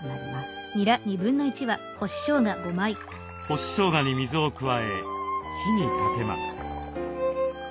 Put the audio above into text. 干ししょうがに水を加え火にかけます。